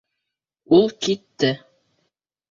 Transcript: Ул китте.